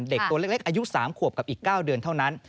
เด็กตัวเล็กอายุ๓ขวบกับอีก๙เดือนเท่านั้น